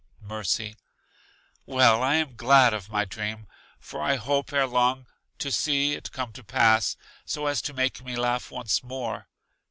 Mercy: Well, I am glad of my dream, for I hope ere long to see it come to pass, so as to make me laugh once more.